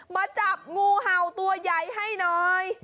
มาจับงูเห่าตัวใหญ่ให้หน่อย